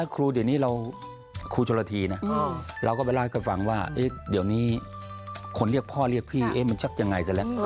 ครูเดี๋ยวนี้เราครูชนละทีนะเราก็ไปเล่าให้ฟังว่าเดี๋ยวนี้คนเรียกพ่อเรียกพี่มันชักยังไงซะแล้ว